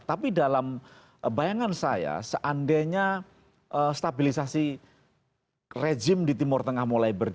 tapi dalam bayangan saya seandainya stabilisasi rejim di timur tengah mulai berjalan